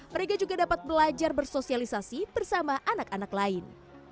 mereka juga dapat belajar bersosialisasi bersama anak anak lain